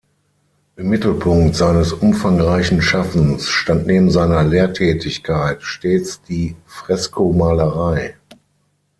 Im Mittelpunkt seines umfangreichen Schaffens stand neben seiner Lehrtätigkeit stets die Freskomalerei.